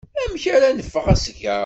Amek ara neffeɣ seg-a?